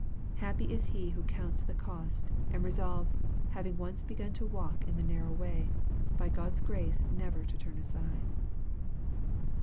Happy is he who counts the cost, and resolves, having once begun to walk in the narrow way, by God's grace never to turn aside.